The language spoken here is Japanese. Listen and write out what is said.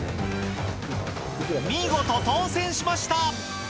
見事当せんしました。